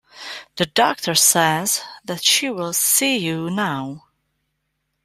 The doctor says that she will see you now.